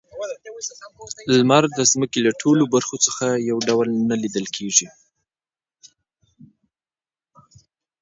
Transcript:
لمر د ځمکې له ټولو برخو څخه یو ډول نه لیدل کیږي.